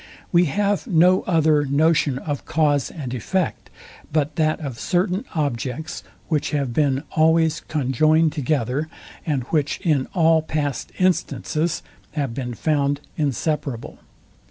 We have no other notion of cause and effect, but that of certain objects, which have been always conjoined together, and which in all past instances have been found inseparable.